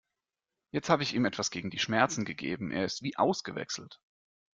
Jetzt habe ich ihm etwas gegen die Schmerzen gegeben, er ist wie ausgewechselt.